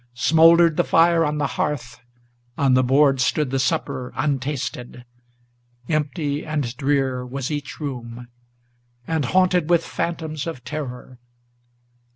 Smouldered the fire on the hearth, on the board stood the supper untasted, Empty and drear was each room, and haunted with phantoms of terror.